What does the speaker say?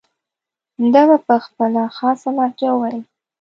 ده به په خپله خاصه لهجه وویل.